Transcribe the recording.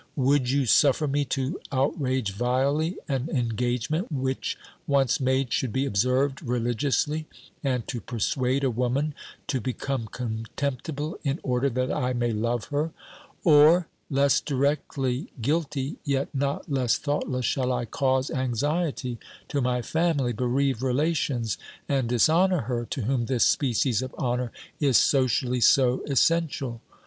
Would you suffer me to outrage vilely an engagement which, once made, should be observed religi ously, and to persuade a woman to become contemptible in order that I may love her ? Or, less directly guilty yet not less thoughtless, shall I cause anxiety to my family, bereave relations and dishonour her to whom this species of honour is socially so essential